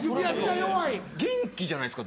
元気じゃないですか。